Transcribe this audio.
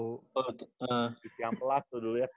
di siampelas tuh dulu ya